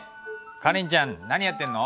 カレンちゃん何やってんの？